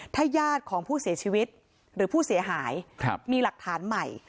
ถ้าญาติของผู้เสียชีวิตหรือผู้เสียหายมีหลักฐานใหม่